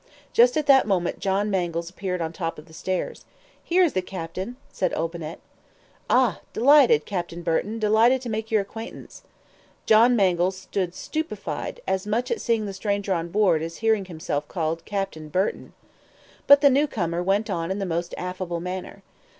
Just at that moment John Mangles appeared at the top of the stairs. "Here is the captain!" said Olbinett. "Ah! delighted, Captain Burton, delighted to make your acquaintance," exclaimed the unknown. John Mangles stood stupefied, as much at seeing the stranger on board as at hearing himself called "Captain Burton." But the new comer went on in the most affable manner.